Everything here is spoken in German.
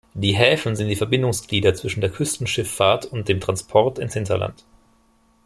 Die Häfen sind die Verbindungsglieder zwischen der Küstenschifffahrt und dem Transport ins Hinterland.